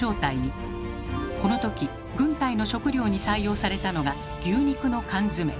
この時軍隊の食料に採用されたのが牛肉の缶詰。